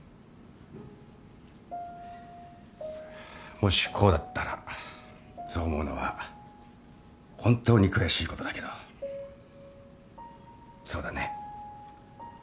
もしこうだったらそう思うのは本当に悔しいことだけどそうだね。